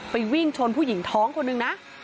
ไปวิ่งชนผู้หญิงท้องคนหนึ่ง